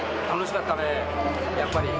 楽しかった。